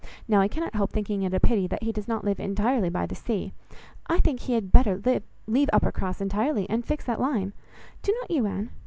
Now, I cannot help thinking it a pity that he does not live entirely by the sea. I do think he had better leave Uppercross entirely, and fix at Lyme. Do not you, Anne?